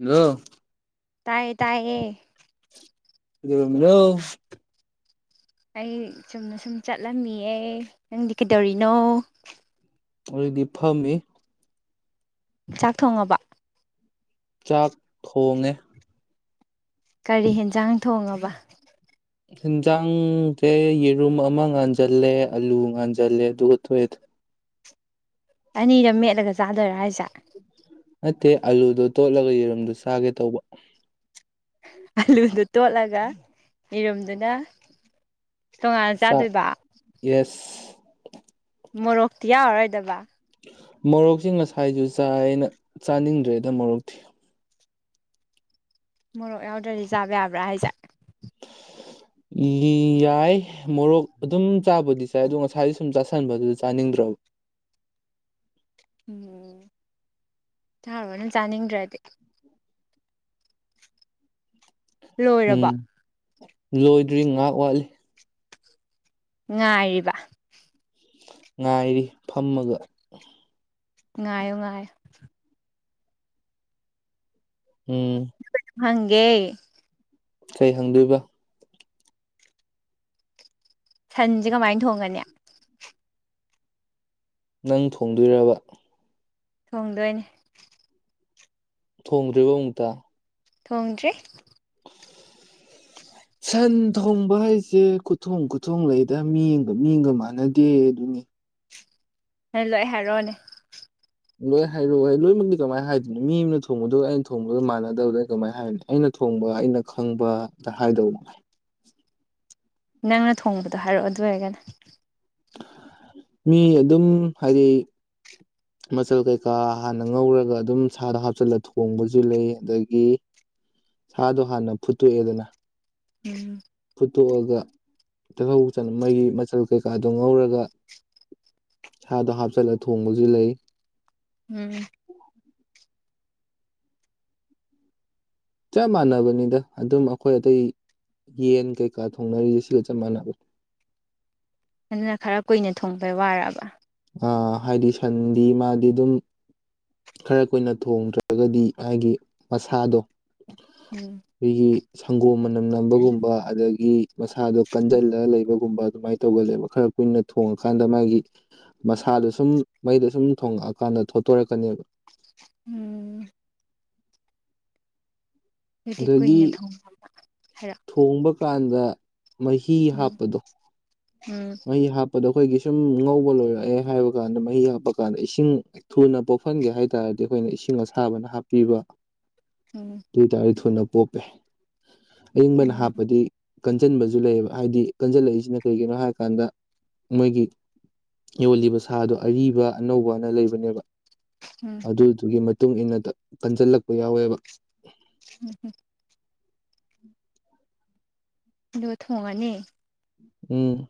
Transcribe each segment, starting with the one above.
Hello ꯇꯥꯏꯌꯦ ꯇꯥꯏꯌꯦ ꯀꯩꯗꯧꯔꯝꯃꯤꯔꯣ ꯑꯩ ꯆꯨꯝꯅ ꯁꯨꯝ ꯆꯠꯂꯝꯃꯤꯌꯦ ꯅꯪꯗꯤ ꯀꯩꯗꯧꯔꯤꯅꯣ ꯑꯣꯏꯗꯤ ꯐꯝꯃꯤ ꯆꯥꯛ ꯊꯣꯡꯉꯕ ꯆꯥꯛ ꯊꯣꯡꯉꯦ ꯀꯔꯤ ꯌꯦꯟꯖꯥꯡ ꯊꯣꯡꯉꯕ ꯌꯦꯟꯖꯥꯡꯊꯦ ꯌꯦꯔꯨꯝ ꯑꯃ ꯉꯥꯟꯖꯜꯂꯦ ꯑꯂꯨ ꯉꯥꯟꯖꯜꯂꯦ ꯑꯗꯨꯒ ꯊꯣꯑꯦꯗ ꯑꯅꯤꯔ ꯃꯦꯠꯂꯒ ꯆꯥꯗꯣꯏꯔꯥ ꯍꯥꯏꯁꯦ ꯅꯠꯇꯦ ꯑꯂꯨꯗꯣ ꯇꯣꯠꯂꯒ ꯌꯦꯔꯨꯝꯗꯣ ꯆꯥꯒꯦ ꯇꯧꯕ ꯑꯂꯨꯗꯨ ꯇꯣꯠꯂꯒ ꯌꯦꯔꯨꯝꯗꯨꯅ ꯇꯣꯉꯥꯟꯅ ꯆꯥꯛ ꯆꯥꯗꯣꯏꯕ ꯌꯦꯁ ꯃꯔꯣꯛꯇꯤ ꯌꯥꯎꯔꯔꯣꯏꯗꯕ ꯃꯣꯔꯣꯛꯁꯤ ꯉꯁꯥꯏꯖꯨ ꯆꯥꯏꯅ ꯆꯥꯅꯤꯡꯗ꯭ꯔꯦꯗ ꯃꯣꯔꯣꯛꯇꯤ ꯃꯣꯔꯣꯛ ꯌꯥꯎꯗ꯭ꯔꯗꯤ ꯆꯥꯕ ꯌꯥꯕ꯭ꯔꯥ ꯍꯥꯏꯁꯦ [inaudible] ꯌꯥꯏ ꯃꯣꯔꯣꯛ ꯑꯗꯨꯝ ꯆꯥꯕꯨꯗꯤ ꯆꯥꯏ ꯑꯗꯣ ꯉꯁꯥꯏꯗꯤ ꯁꯨꯝ ꯆꯥꯁꯟꯕꯗꯨꯗ ꯆꯥꯅꯤꯡꯗ꯭ꯔꯕ ꯎꯝ ꯊꯎꯔꯅꯨ ꯆꯥꯅꯤꯡꯗ꯭ꯔꯗꯤ ꯎꯝ ꯂꯣꯏꯔꯕꯣ ꯂꯣꯏꯗ꯭ꯔꯤ ꯉꯥꯍꯥꯛ ꯋꯥꯠꯂꯤ ꯉꯥꯏꯔꯤꯕ ꯉꯥꯏꯔꯤ ꯐꯝꯃꯒ ꯉꯥꯏꯌꯣ ꯉꯥꯏꯌꯣ ꯎꯝ [inaudible] ꯍꯪꯒꯦ ꯀꯩ ꯍꯪꯗꯣꯏꯕ ꯁꯟꯁꯦ ꯀꯝꯃꯥꯏ ꯊꯣꯡꯒꯅꯤ ꯅꯪ ꯊꯣꯡꯗꯣꯏꯔꯕ ꯊꯣꯡꯗꯣꯏꯅꯤ ꯊꯣꯡꯗ꯭ꯔꯤꯕ ꯑꯃꯨꯛꯇ ꯊꯣꯡꯗ꯭ꯔꯤ [inaudible] ꯁꯟ ꯊꯣꯡꯕ ꯍꯥꯏꯁꯦ ꯈꯨꯊꯣꯡ ꯈꯨꯊꯣꯡ ꯂꯩꯗ ꯃꯤꯑꯝꯒ ꯃꯤꯑꯝꯒ ꯃꯥꯟꯅꯗꯦ ꯑꯗꯨꯅꯤ ꯍꯂꯛ ꯑꯦ ꯍꯥꯏꯔ‌ꯣꯅꯦ ꯂꯣꯏ ꯍꯥꯏꯔꯛꯑꯣ ꯑꯩ ꯂꯣꯏꯅꯃꯛꯛꯇꯤ ꯀꯃꯥꯏꯅ ꯍꯥꯏꯗꯣꯏꯅ‌ꯣ ꯃꯤ ꯑꯃꯅ ꯊꯣꯡꯕꯗꯒ ꯑꯩꯅ ꯊꯣꯡꯕꯗꯒ ꯃꯥꯟꯅꯗꯕꯗ ꯀꯃꯥꯏꯅ ꯍꯥꯏꯔꯨꯅꯤ ꯑꯩꯅ ꯊꯣꯡꯕ ꯑꯩꯅ ꯈꯪꯕꯗ ꯍꯥꯏꯗꯧꯉꯥꯏ ꯅꯪꯅ ꯊꯣꯡꯕꯗꯣ ꯍꯥꯏꯔꯛꯑꯣ ꯑꯗꯨ ꯑꯣꯏꯔꯒꯅ ꯃꯤ ꯑꯗꯨꯝ ꯍꯥꯏꯗꯤ ꯃꯆꯜ ꯀꯩꯀꯥ ꯍꯥꯟꯅ ꯉꯧꯔꯒ ꯑꯗꯨꯝ ꯁꯥꯗ ꯍꯥꯞꯆꯤꯜꯂ ꯊꯣꯡꯕꯁꯨ ꯂꯩ ꯑꯗꯒꯤ ꯁꯥꯗꯣ ꯍꯥꯟꯅ ꯐꯨꯠꯇꯣꯛꯑꯦꯗꯅ ꯎꯝ ꯐꯨꯠꯇꯣꯛꯑꯒ ꯇꯤꯜꯍꯧ ꯆꯅꯝ ꯃꯩꯒꯤ ꯃꯆꯜ ꯀꯩꯀꯥꯗꯣ ꯉꯧꯔꯒ ꯁꯥꯗꯣ ꯍꯥꯞꯆꯤꯜꯂ ꯊꯣꯡꯕꯁꯨ ꯂꯩ ꯎꯝ ꯆꯞ ꯃꯥꯟꯅꯕꯅꯤꯗ ꯑꯗꯨꯝ ꯑꯩꯈꯣꯏ ꯑꯇꯩ ꯌꯦꯟ ꯀꯩꯀꯥ ꯊꯣꯡꯅꯔꯤꯁꯦ ꯁꯤꯒ ꯆꯞ ꯃꯥꯟꯅꯕꯅꯦ ꯑꯗꯨꯅ ꯈꯔ ꯀꯨꯏꯅ ꯊꯣꯡꯗꯧ ꯋꯥꯑꯔꯕ ꯑ ꯍꯥꯏꯗꯤ ꯁꯟꯗꯤ ꯃꯥꯗꯤ ꯑꯗꯨꯝ ꯈꯔ ꯀꯨꯏꯅ ꯊꯣꯡꯗ꯭ꯔꯒꯗꯤ ꯃꯥꯒꯤ ꯃꯁꯥꯗꯣ ꯎꯝ ꯑꯩꯈꯣꯏꯒꯤ ꯁꯪꯒꯣꯝ ꯃꯅꯝ ꯅꯝꯕꯒꯨꯝꯕ ꯑꯗꯒꯤ ꯃꯁꯥꯗꯣ ꯀꯟꯖꯜꯂꯒ ꯂꯩꯕꯒꯨꯝꯕ ꯑꯗꯨꯃꯥꯏꯅ ꯇꯧꯒꯜꯂꯦꯕ ꯈꯔ ꯀꯨꯏꯅ ꯊꯣꯡꯉꯀꯥꯟꯗ ꯃꯥꯒꯤ ꯃꯁꯥꯗꯣ ꯁꯨꯝ ꯃꯩꯗ ꯁꯨꯝ ꯊꯣꯡꯉꯛꯑꯀꯥꯟꯗ ꯊꯣꯠꯇꯣꯔꯛꯀꯅꯦꯕ ꯎꯝ ꯑꯗꯨꯗꯤ ꯑꯗꯒꯤ ꯀꯨꯏꯅ ꯊꯣꯡꯕ ꯍꯥꯏꯔꯣ ꯊꯣꯡꯕ ꯀꯥꯟꯗ ꯃꯍꯤ ꯎꯝ ꯍꯥꯞꯄꯗꯣ ꯎꯝ ꯃꯍꯤ ꯍꯥꯞꯄꯗ ꯑꯩꯈꯣꯏꯒꯤ ꯁꯨꯝ ꯉꯧꯕ ꯂꯣꯏꯔꯛꯑꯦ ꯍꯥꯏꯕ ꯀꯥꯟꯗ ꯃꯍꯤ ꯍꯥꯞꯄ ꯀꯥꯟꯗ ꯏꯁꯤꯡ ꯊꯨꯅ ꯄꯣꯛꯍꯟꯒꯦ ꯍꯥꯏ ꯇꯔꯗꯤ ꯑꯩꯈꯣꯏꯅ ꯏꯁꯤꯡ ꯑꯁꯥꯕꯅ ꯍꯥꯞꯄꯤꯕ ꯎꯝ ꯑꯗꯨ ꯑꯣꯏꯇꯥꯔꯗꯤ ꯊꯨꯅ ꯄꯣꯞꯄꯦ ꯑꯏꯪꯕꯅ ꯎꯝ ꯍꯥꯞꯄꯗꯤ ꯀꯟꯖꯟꯕꯁꯨ ꯂꯩꯌꯦꯕ ꯍꯥꯏꯗꯤ ꯀꯟꯖꯜꯂꯛꯏꯁꯤꯅ ꯀꯔꯤꯒꯤꯅꯣ ꯍꯥꯏꯔꯀꯥꯟꯗ ꯃꯣꯏꯒꯤ ꯌꯣꯜꯂꯤꯕ ꯁꯥꯗꯣ ꯑꯔꯤꯕ ꯑꯅꯧꯕ ꯑꯅ ꯂꯩꯕꯅꯦꯕ ꯎꯝ ꯑꯗꯨꯗꯨꯒꯤ ꯃꯇꯨꯡ ꯏꯟꯅ ꯀꯟꯖꯜꯂꯛꯄ ꯌꯥꯎꯋꯦꯕ ꯎꯝ ꯍꯝ ꯎꯝ [inaudible] ꯑꯗꯨꯒ ꯊꯣꯡꯉꯅꯤ ꯎꯝ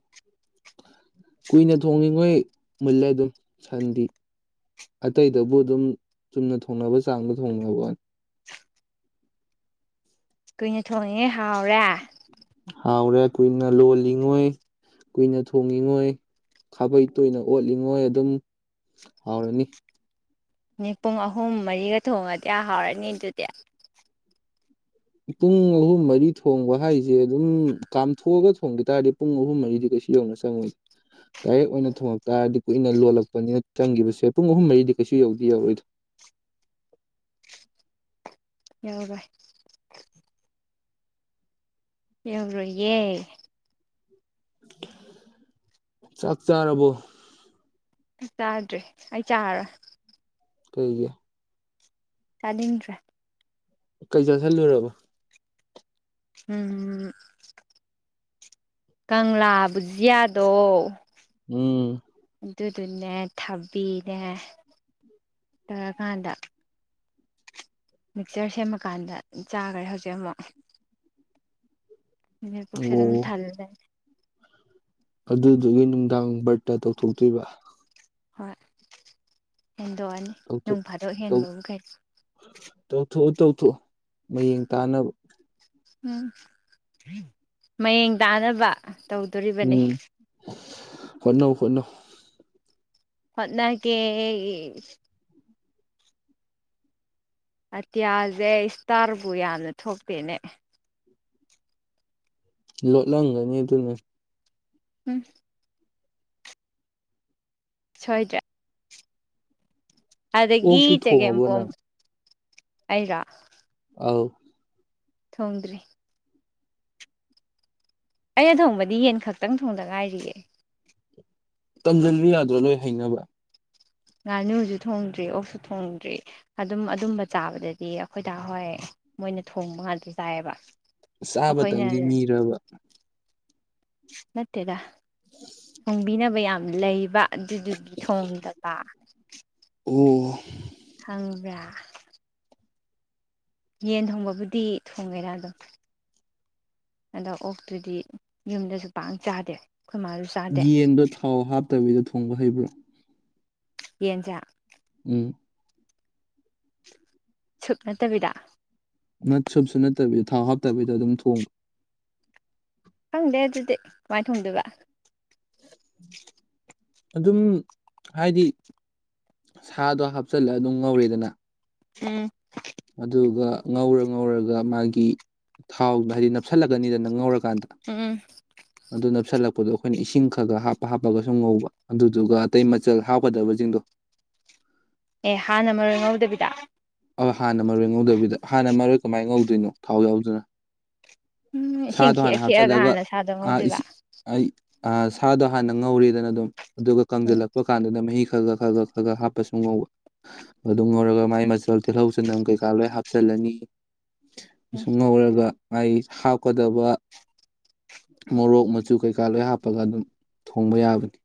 ꯀꯨꯏꯅ ꯊꯣꯡꯉꯤꯉꯣꯏ ꯃꯨꯜꯂꯦ ꯑꯗꯨꯝ ꯁꯟꯗꯤ ꯑꯇꯩꯗꯕꯨ ꯑꯗꯨꯝ ꯆꯨꯝꯅ ꯊꯣꯡꯅꯕ ꯆꯥꯡꯗ ꯊꯣꯡꯅꯋꯥꯟ ꯀꯨꯏꯅ ꯊꯣꯡꯉꯤꯉꯩ ꯍꯥꯎꯔꯦ ꯍꯥꯎꯔꯦ ꯀꯨꯏꯅ ꯂꯣꯜꯂꯤꯉꯣꯏ ꯀꯨꯏꯅ ꯊꯣꯡꯉꯤꯉꯣꯏ ꯈꯥꯕꯩ ꯇꯣꯏꯅ ꯑꯣꯠꯂꯤꯉꯣꯏ ꯑꯗꯨꯝ ꯍꯥꯎꯔꯅꯤ ꯑ ꯄꯨꯡ ꯑꯍꯨꯝ ꯃꯔꯤꯒ ꯊꯣꯡꯉꯗꯤ ꯍꯥꯎꯔꯅꯤ ꯑꯗꯨꯗꯤ ꯄꯨꯡ ꯑꯍꯨꯝ ꯃꯔꯤ ꯊꯣꯡꯕ ꯍꯥꯏꯁꯦ ꯑꯗꯨꯝ ꯀꯥꯝꯊꯣꯛꯑꯒ ꯊꯣꯡꯒ ꯇꯥꯔꯗꯤ ꯄꯨꯡ ꯑꯍꯨꯝ ꯃꯔꯤꯗꯤ ꯀꯩꯁꯨ ꯌꯧꯅ ꯆꯪ ꯗꯥꯏꯔꯦꯛ ꯑꯣꯏꯅ ꯊꯣꯡꯉꯛ ꯇꯥꯔꯗꯤ ꯀꯨꯏꯅ ꯂꯣꯜꯂꯛꯄꯅꯤꯅ ꯆꯪꯒꯤꯈꯤꯕꯁꯦ ꯄꯨꯡ ꯑꯍꯨꯝ ꯃꯔꯤꯗꯤ ꯀꯩꯁꯨ ꯌꯧꯗꯤ ꯌꯧꯔꯛꯑ‍ꯣꯏꯗ ꯌꯥꯎꯔꯣꯏ ꯌꯥꯎꯔꯣꯏꯌꯦ ꯆꯥꯛ ꯆꯥꯔꯕꯣ ꯆꯥꯗ꯭ꯔꯦ ꯑꯩ ꯆꯥꯔꯔꯣꯏ ꯀꯩꯒꯤ ꯆꯥꯅꯤꯡꯗ꯭ꯔꯦ ꯀꯩ ꯆꯥꯁꯤꯜꯂꯨꯔꯕ ꯎꯝ ꯀꯪꯂꯥ ꯕꯨꯖꯤꯌꯥꯗꯣ ꯎꯝ ꯑꯗꯨꯗꯨꯅꯦ ꯊꯥꯕꯤꯅꯦ ꯇꯧꯔꯀꯥꯟꯗ ꯃꯤꯛꯆꯔ ꯁꯦꯝꯃꯀꯥꯟꯗ ꯆꯥꯒ꯭ꯔꯦ ꯍꯧꯖꯤꯛ ꯑꯃꯨꯛ ꯃꯤ ꯄꯨꯛꯁꯤ ꯗꯨꯝ ꯑꯣ ꯊꯜꯂ ꯂꯩꯔꯦ ꯑꯗꯨꯗꯨꯒꯤ ꯅꯨꯡꯗꯥꯡ ꯚꯔꯠꯇ ꯇꯧꯊꯣꯛꯇꯣꯏꯕ ꯍꯣꯏ ꯍꯦꯟꯗꯣꯛꯑꯅꯤ ꯊꯣꯛ ꯅꯣꯡ ꯐꯥꯗꯣꯛ ꯇꯧ ꯍꯦꯟꯕꯕꯨ ꯀꯩ ꯇꯧꯊꯣꯛꯑꯣ ꯇꯧꯊꯣꯛꯑꯣ ꯃꯌꯦꯡ ꯇꯥꯅꯕ ꯎꯝ ꯃꯌꯦꯡ ꯇꯥꯅꯕ ꯇꯧꯗꯣꯔꯤꯕꯅꯤ ꯎꯝ ꯍꯣꯠꯅꯧ ꯍꯣꯠꯅꯧ ꯍꯣꯠꯅꯒꯦ ꯑꯇꯤꯌꯥꯁꯦ ꯏꯁꯇꯥꯔꯕꯨ ꯌꯥꯝꯅ ꯊꯣꯛꯇꯦꯅꯦ ꯂꯣꯠꯂꯝꯒꯅꯤ ꯑꯗꯨꯅ ꯎꯝ ꯁꯣꯏꯗ꯭ꯔꯦ ꯑꯗꯥꯒꯤ ꯑꯣꯛꯇꯤ ꯊꯣꯡꯉꯕꯣ ꯆꯥꯒꯦꯝꯄꯣꯝ ꯅꯪ ꯑꯩꯔꯣ ꯑꯧ ꯊꯣꯡꯗ꯭ꯔꯤ ꯑꯩꯅ ꯊꯣꯡꯕꯗꯤ ꯌꯦꯟ ꯈꯛꯇꯪ ꯊꯣꯡꯗ ꯉꯥꯏꯔꯤꯌꯦ ꯇꯝꯖꯤꯜꯂꯨ ꯌꯥꯗ꯭ꯔꯣ ꯂꯣꯏꯟ ꯍꯩꯅꯅꯕ ꯉꯥꯅꯨꯁꯨ ꯊꯣꯡꯗ꯭ꯔꯤ ꯑꯣꯛꯁꯨ ꯊꯣꯡꯗ꯭ꯔꯤ ꯑꯗꯨꯝ ꯑꯗꯨꯝꯕ ꯆꯥꯕꯗꯗꯤ ꯑꯩꯈꯣꯏ ꯗꯥ ꯍꯣꯏ ꯃꯣꯏꯅ ꯊꯣꯡꯕ ꯉꯥꯛꯇ ꯆꯥꯏꯌꯦꯕ ꯑꯩꯈꯣꯏꯅ ꯆꯥꯕꯇꯪꯒꯤ ꯃꯤꯔꯕ ꯅꯠꯇꯦꯗ ꯊꯣꯡꯕꯤꯅꯕ ꯌꯥꯝ ꯂꯩꯕ ꯑꯗꯨꯗꯨꯒꯤ ꯊꯣꯡꯗꯕ ꯎꯝ ꯈꯪꯕ꯭ꯔꯥ ꯌꯦꯟ ꯊꯣꯡꯕꯕꯨꯗꯤ ꯊꯣꯡꯉꯦꯔꯗ ꯑꯗꯝ ꯑꯗꯣ ꯑꯣꯛꯇꯨꯗꯤ ꯌꯨꯝꯗꯁꯨ ꯄꯥꯛ ꯆꯥꯗꯦ ꯑꯩꯈꯣꯏ ꯃꯥꯁꯨ ꯆꯥꯗꯦ ꯌꯦꯟꯗꯣ ꯊꯥꯎ ꯍꯥꯞꯇꯕꯤꯗ ꯊꯣꯡꯕ ꯍꯩꯕ꯭ꯔꯣ ꯌꯦꯟꯁꯦ ꯎꯝ ꯁꯨꯞ ꯅꯠꯇꯕꯤꯗ ꯅꯠ ꯁꯨꯞꯁꯨ ꯅꯠꯇꯕꯤ ꯊꯥꯎ ꯍꯥꯞꯇꯕꯤꯗ ꯑꯗꯨꯝ ꯊꯣꯡꯕ ꯈꯪꯗꯦ ꯑꯗꯨꯗꯤ ꯀꯃꯥꯏꯟ ꯊꯣꯡꯗꯣꯏꯕ ꯑꯗꯨꯝ ꯍꯥꯏꯗꯤ ꯁꯥꯗꯣ ꯍꯥꯞꯆꯤꯜꯂꯒ ꯑꯗꯨꯝ ꯉꯧꯔꯦꯗꯅ ꯎꯝ ꯑꯗꯨꯒ ꯉꯧꯔ ꯉꯧꯔꯒ ꯃꯥꯒꯤ ꯊꯥꯎꯗꯣ ꯍꯥꯏꯗꯤ ꯅꯞꯁꯜꯂꯛꯀꯅꯤꯗ ꯉꯧꯔꯀꯥꯟꯗ ꯎꯝ ꯑꯗꯨ ꯅꯞꯁꯜꯂꯛꯄꯗꯣ ꯑꯩꯈꯣꯏꯅ ꯏꯁꯤꯡ ꯈ ꯈ ꯍꯥꯞꯄ ꯍꯥꯞꯄꯒ ꯁꯨꯝ ꯉꯧꯕ ꯑꯗꯨꯗꯨꯒ ꯑꯇꯩ ꯃꯆꯜ ꯍꯥꯞꯀꯗꯕꯖꯤꯡꯗꯣ ꯑꯦ ꯍꯥꯟꯅ ꯃꯔꯣꯏ ꯉꯧꯗꯕꯤꯗ ꯑꯣꯏ ꯍꯥꯟꯅ ꯃꯔꯣꯏ ꯉꯧꯗꯕꯤꯗ ꯍꯥꯟꯅ ꯃꯔꯣꯏ ꯀꯃꯥꯏ ꯉꯧꯗꯣꯏꯅꯣ ꯊꯥꯎ ꯌꯥꯎꯗꯅ ꯎꯝ ꯏꯁꯤꯡ ꯁꯥꯗꯣ ꯈꯤꯛꯑ ꯍꯥꯟꯅ ꯈꯤꯛꯑꯒ ꯍꯥꯞꯆꯜꯂꯒ ꯍꯥꯟꯅ ꯁꯥꯗꯣ ꯑꯥ ꯉꯧꯗꯣꯏꯕ ꯏꯁꯤ ꯑꯩ ꯑ ꯁꯥꯗꯣ ꯍꯥꯟꯅ ꯉꯧꯔꯦꯗꯅ ꯑꯗꯨꯝ ꯑꯗꯨꯒ ꯎꯝ ꯀꯪꯖꯜꯂꯛꯄ ꯀꯥꯟꯗꯅ ꯃꯍꯤ ꯈꯒ ꯈꯒ ꯈꯒ ꯍꯥꯞꯄ ꯁꯨꯝ ꯉꯧꯕ ꯑꯗꯨ ꯉꯧꯔꯒ ꯃꯥꯏ ꯃꯆꯜ ꯇꯤꯜꯍꯧ ꯆꯅꯝ ꯀꯩꯀꯥ ꯂꯣꯏ ꯍꯥꯞꯆꯜꯂꯅꯤ ꯎꯝ ꯁꯨꯝ ꯉꯧꯔꯒ ꯃꯥꯏ ꯍꯥꯞꯀꯗꯕ ꯃꯣꯔꯣꯛ ꯃꯆꯨ ꯀꯩꯀꯥ ꯂꯣꯏ ꯍꯥꯞꯄꯒ ꯑꯗꯨꯝ ꯊꯣꯡꯕ ꯌꯥꯕꯅꯤ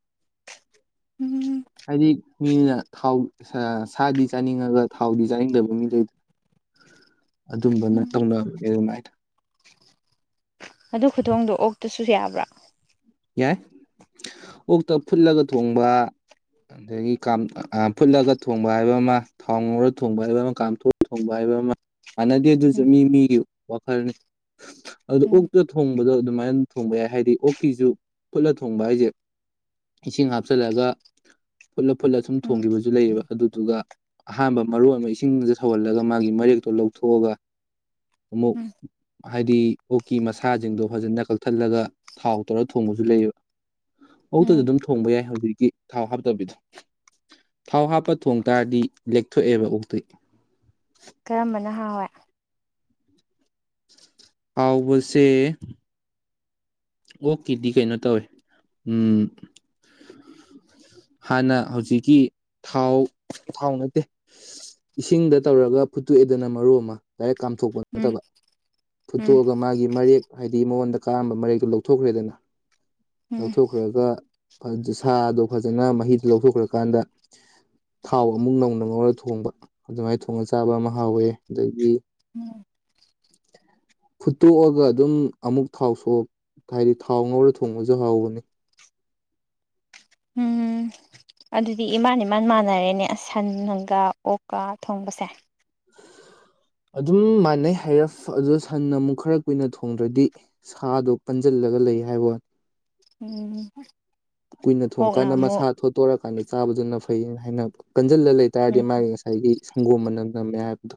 ꯎꯝ ꯃꯤ ꯃꯤꯅ ꯊꯥꯎ ꯁꯥꯗꯤ ꯆꯥꯅꯤꯡꯉꯒ ꯊꯥꯎꯗꯤ ꯆꯥꯅꯤꯡꯗꯕ ꯃꯤꯗ ꯑꯗꯨꯝꯕꯅ ꯎꯝ ꯇꯧꯅꯕꯅꯦ ꯑꯗꯨꯃꯥꯏꯅ ꯑꯗꯨ ꯈꯨꯊꯣꯡꯗꯣ ꯑꯣꯛꯇꯁꯨ ꯌꯥꯕ꯭ꯔꯥ ꯌꯥꯏ ꯑꯣꯛꯇ ꯐꯨꯠꯂꯒ ꯊꯣꯡꯕ ꯑꯗꯒꯤ ꯀꯥꯝ ꯑ ꯐꯨꯠꯂꯒ ꯊꯣꯡꯕ ꯍꯥꯏꯕ ꯑꯃ ꯊꯥꯎ ꯉꯧꯔ ꯊꯣꯡꯕ ꯍꯥꯏꯕ ꯑꯃ ꯀꯥꯝꯊꯣꯛꯑ ꯊꯣꯡꯕ ꯍꯥꯏꯕ ꯑꯃ ꯃꯥꯟꯅꯗꯦ ꯑꯗꯨꯖꯨ ꯎꯝ ꯃꯤ ꯃꯤꯒꯤ ꯋꯥꯈꯜꯅꯤ ꯑꯗ ꯎꯝ ꯑꯣꯛꯇ ꯊꯣꯡꯕꯗꯣ ꯑꯗꯨꯃꯥꯏꯅ ꯊꯣꯡꯕ ꯌꯥꯏ ꯍꯥꯏꯗꯤ ꯑꯣꯛꯀꯤꯁꯨ ꯐꯨꯠꯂ ꯊꯣꯡꯕ ꯍꯥꯏꯖꯦ ꯏꯁꯤꯡ ꯍꯥꯞꯆꯜꯂꯒ ꯐꯨꯠꯂ ꯐꯨꯠꯂ ꯁꯨꯝ ꯎꯝ ꯊꯣꯡꯒꯤꯕꯁꯨ ꯂꯩꯌꯦꯕ ꯑꯗꯨꯗꯨꯒ ꯑꯍꯥꯟꯕ ꯃꯔꯣꯟ ꯑꯃ ꯏꯁꯤꯡꯁꯦ ꯁꯧꯍꯜꯂꯒ ꯃꯥꯒꯤ ꯃꯔꯦꯛꯇꯣ ꯂꯧꯊꯣꯛꯑꯒ ꯑꯃꯨꯛ ꯎꯝ ꯍꯥꯏꯗꯤ ꯑꯣꯛꯀꯤ ꯃꯁꯥꯖꯤꯡꯗꯣ ꯐꯖꯅ ꯀꯛꯊꯠꯂꯒ ꯊꯥꯎ ꯇꯧꯔ ꯊꯣꯡꯕꯖꯨ ꯂꯩꯌꯦꯕ ꯑꯣꯛꯇꯖꯨ ꯎꯝ ꯑꯗꯨꯝ ꯊꯣꯡꯕ ꯌꯥꯏ ꯍꯧꯖꯤꯛꯀꯤ ꯊꯥꯎ ꯍꯥꯞꯇꯕꯤꯗꯣ ꯊꯥꯎ ꯍꯥꯞꯄ ꯊꯣꯡ ꯇꯥꯔꯗꯤ ꯂꯦꯛꯊꯣꯛꯑꯦꯕ ꯑꯣꯛꯇꯤ ꯀꯔꯝꯕꯅ ꯍꯥꯎꯋꯦ ꯍꯥꯎꯕꯁꯦ ꯑꯣꯛꯀꯤꯗꯤ ꯀꯩꯅꯣ ꯇꯧꯋꯦ ꯎꯝ ꯍꯥꯟꯅ ꯍꯧꯖꯤꯛꯀꯤ ꯊꯥꯎ ꯊꯥꯎ ꯅꯠꯇꯦ ꯏꯁꯤꯡꯗ ꯇꯧꯔꯒ ꯐꯨꯠꯇꯣꯛꯑꯦꯗꯅ ꯃꯔꯨ ꯑꯃ ꯗꯥꯏꯔꯦꯛ ꯀꯥꯝꯊꯣꯛꯄ ꯎꯝ ꯅꯠꯇꯕ ꯎꯝ ꯐꯨꯠꯇꯣꯛꯑꯒ ꯃꯥꯒꯤ ꯃꯔꯦꯛ ꯍꯥꯏꯗꯤ ꯃꯉꯣꯟꯗ ꯀꯥꯔꯝꯕ ꯃꯔꯦꯛ ꯗꯨ ꯂꯧꯊꯣꯛꯈ꯭ꯔꯦꯗꯅ ꯎꯝ ꯂꯧꯊꯣꯛꯈ꯭ꯔꯒ ꯐ ꯁꯥꯗꯣ ꯐꯖꯅ ꯃꯍꯤꯗꯣ ꯂꯧꯊꯣꯛꯈ꯭ꯔꯀꯥꯟꯗ ꯊꯥꯎ ꯑꯃꯨꯛ ꯅꯧꯅ ꯉꯧꯔ ꯊꯣꯡꯕ ꯑꯗꯨꯃꯥꯏꯅ ꯊꯣꯡꯉ ꯆꯥꯕ ꯑꯃ ꯍꯥꯎꯋꯦ ꯑꯗꯒꯤ ꯎꯝ ꯐꯨꯠꯇꯣꯛꯑꯒ ꯑꯗꯨꯝ ꯑꯃꯨꯛ ꯊꯥꯎ ꯁꯣꯛ ꯍꯥꯏꯗꯤ ꯊꯥꯎ ꯉꯧꯔ ꯊꯣꯡꯕꯖꯨ ꯍꯥꯎꯕꯅꯤ ꯎꯝ ꯑꯗꯨꯗꯤ ꯏꯃꯥꯟ ꯏꯃꯥꯟ ꯃꯥꯟꯅꯔꯦꯅꯦ ꯁꯟꯒ ꯑꯣꯛꯀ ꯊꯣꯡꯕꯁꯦ ꯑꯗꯨꯝ ꯃꯥꯟꯅꯩ ꯍꯥꯏꯔꯐ ꯑꯗꯨꯗ ꯁꯟꯅ ꯑꯃꯨꯛ ꯈꯔ ꯀꯨꯏꯅ ꯊꯣꯡꯗ꯭ꯔꯗꯤ ꯁꯥꯗꯣ ꯄꯟꯁꯤꯜꯂꯒ ꯂꯩ ꯍꯥꯏꯕꯋꯥ ꯎꯝ ꯀꯨꯏꯅ ꯑꯣꯛꯅ ꯊꯣꯡꯉꯀꯥꯟꯗ ꯑꯃꯨꯛ ꯃꯁꯥ ꯊꯣꯠꯇꯣꯔꯀꯥꯟꯗ ꯆꯥꯕꯗꯨꯅ ꯐꯩ ꯍꯥꯏꯅ ꯍꯥꯏꯅꯕ ꯀꯟꯁꯤꯜꯂ ꯂꯩꯇꯥꯥꯔꯗꯤ ꯎꯝ ꯃꯥꯒꯤ ꯉꯁꯥ ꯁꯥꯏꯒꯤ ꯁꯪꯒꯣꯝ ꯃꯅꯝ ꯅꯝꯃꯦ ꯍꯥꯏꯕꯗꯣ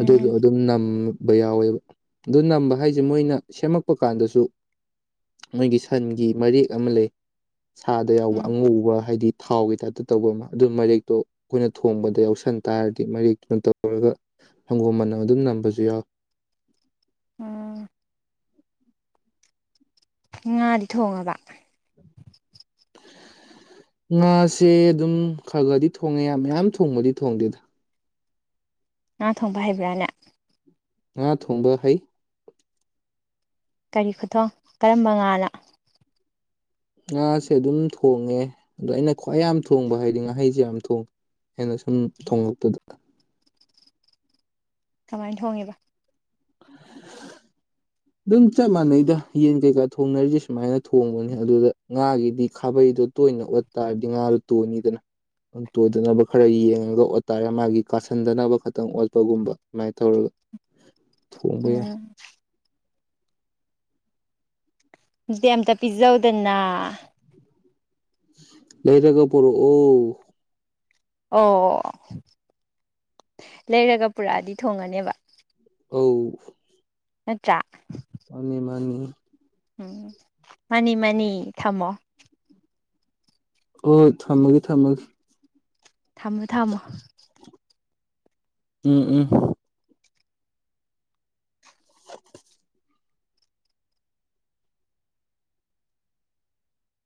ꯑꯗꯨꯗꯣ ꯑꯗꯨꯝ ꯅꯝꯕ ꯌꯥꯎꯋꯦꯕ ꯑꯗꯨ ꯅꯝꯕ ꯍꯥꯏꯁꯦ ꯃꯣꯏꯅ ꯁꯦꯝꯃꯛꯄ ꯀꯥꯟꯗꯁꯨ ꯃꯣꯏꯒꯤ ꯁꯟꯒꯤ ꯃꯔꯦꯛ ꯑꯃ ꯂꯩ ꯁꯥꯗ ꯌꯥꯎꯕ ꯎꯝ ꯑꯉꯧꯕ ꯍꯥꯏꯗꯤ ꯊꯥꯎꯒꯤ ꯇꯥꯏꯞꯇ ꯇꯧꯕ ꯑꯃ ꯑꯗꯨ ꯃꯔꯦꯛꯇꯣ ꯑꯩꯈꯣꯏꯅ ꯊꯣꯡꯕꯗ ꯌꯥꯎꯁꯟ ꯇꯥꯔꯗꯤ ꯃꯔꯦꯛꯇꯨꯅ ꯇꯧꯔꯒ ꯁꯪꯒꯣꯝ ꯃꯅꯝ ꯑꯗꯨꯝ ꯅꯝꯕꯁꯨ ꯌꯥꯎꯏ ꯎꯝ ꯉꯥꯗꯤ ꯊꯣꯡꯉꯕ? ꯉꯥꯁꯦ ꯑꯗꯨꯝ ꯈꯔ ꯈꯔꯗꯤ ꯊꯣꯡꯉꯦ ꯃꯌꯥꯝ ꯊꯣꯡꯕꯗꯤ ꯊꯣꯡꯗꯦꯗ꯫ ꯉꯥ ꯊꯣꯡꯕ ꯍꯩꯕ꯭ꯔꯥꯅꯦ? ꯉꯥ ꯊꯣꯡꯕ ꯍꯩ꯫ ꯀꯔꯤ ꯈꯨꯊꯣꯡ? ꯀꯔꯝꯕ ꯉꯥꯅ? ꯉꯥꯁꯦ ꯑꯗꯨꯝ ꯊꯣꯡꯉꯦ, ꯑꯗꯣ ꯑꯩꯅ ꯈ꯭ꯋꯥꯏ ꯌꯥꯝ ꯊꯣꯡꯕ ꯍꯥꯏꯗꯤ ꯉꯥꯍꯩꯁꯦ ꯌꯥꯝ ꯊꯣꯡꯉꯦ꯫ ꯑꯩꯅ ꯁꯨꯝ ꯊꯣꯡꯂꯛꯄꯗ꯫ ꯀꯃꯥꯏꯅ ꯊꯣꯡꯉꯦꯕ? ꯑꯗꯨꯝ ꯆꯞ ꯃꯥꯟꯅꯩꯗ꯫ ꯌꯦꯟ ꯀꯩꯀꯥ ꯊꯣꯡꯅꯔꯤꯁꯦ ꯁꯨꯃꯥꯏꯅ ꯊꯣꯡꯕꯅꯤ ꯑꯗꯨꯗ, ꯉꯥꯒꯤꯗꯤ ꯈꯥꯕꯩꯗꯣ ꯇꯣꯏꯅ ꯑꯣꯠ ꯇꯥꯔꯗꯤ ꯉꯥꯗꯣ ꯇꯣꯏꯅꯤꯗꯅ꯫ ꯇꯣꯏꯗꯅꯕ ꯈꯔ ꯌꯦꯡꯉꯒ ꯑꯣꯇꯥꯥꯔꯦ ꯃꯥꯒꯤ ꯀꯥꯁꯟꯗꯅꯕ ꯈꯛꯇꯪ ꯑꯣꯠꯄꯒꯨꯝꯕ ꯑꯗꯨꯃꯥꯏꯅ ꯇꯧꯔꯒ꯫ [inaudible] [unintelligible] ꯌꯥꯏ [unintelligible] ꯑꯝꯇ ꯄꯤꯖꯧꯗꯅ꯫ ꯂꯩꯔꯒꯥ ꯄꯣꯔꯣꯑꯣ꯫ ꯑꯣ ꯂꯩꯔꯒ ꯄꯨꯔꯛꯑꯗꯤ ꯊꯣꯡꯉꯅꯦꯕ꯫ ꯑꯧ ꯅꯠꯇ꯭ꯔ? ꯃꯥꯅꯤ ꯃꯥꯅꯤ꯫ ꯎꯝ ꯃꯥꯅꯤ ꯃꯥꯅꯤ ꯊꯝꯃꯣ꯫ ꯍꯣꯏ ꯊꯝꯃꯒꯦ ꯊꯝꯃꯒꯦ꯫ ꯊꯝꯃꯣ ꯊꯝꯃꯣ ꯎꯝ ꯎꯝ꯫